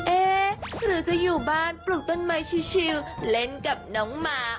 เอ๊ะหรือจะอยู่บ้านปลูกต้นไม้ชิลเล่นกับน้องหมา